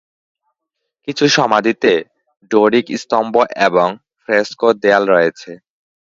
কিছু সমাধিতে ডোরিক স্তম্ভ এবং ফ্রেসকো দেয়াল রয়েছে।